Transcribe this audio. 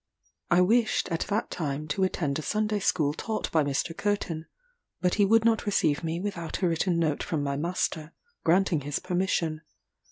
I wished at that time to attend a Sunday School taught by Mr. Curtin, but he would not receive me without a written note from my master, granting his permission.